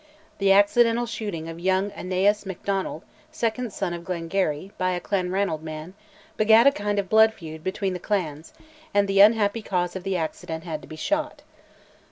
The accidental shooting of young AEneas Macdonnell, second son of Glengarry, by a Clanranald man, begat a kind of blood feud between the clans, and the unhappy cause of the accident had to be shot.